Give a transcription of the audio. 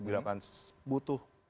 tidak akan butuh